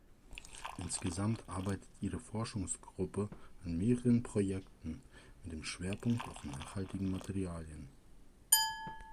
Insgesamt arbeitet ihre Forschungsgruppe an mehreren Projekten mit dem Schwerpunkt auf nachhaltigen Materialien.